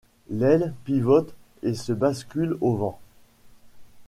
L'aile pivote et se bascule au vent.